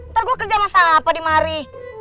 ntar gue kerja sama siapa di mari